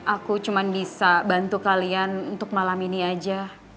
aku cuma bisa bantu kalian untuk malam ini aja